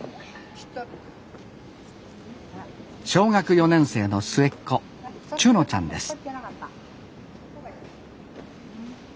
小学４年生の末っ子釉音ちゃんです